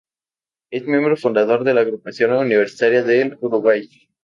La es miembro fundador de la Agrupación Universitaria del Uruguay.